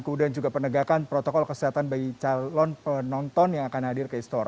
kemudian juga penegakan protokol kesehatan bagi calon penonton yang akan hadir ke istore